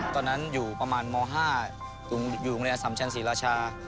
ตอนนั้นอยู่ประมาณม๕อยู่โรงเรียนสำชันศรีราชา